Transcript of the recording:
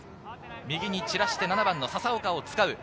右に散らして７番・笹岡を使う。